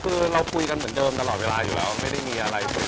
คือเราคุยกันเหมือนเดิมตลอดเวลาอยู่แล้วไม่ได้มีอะไร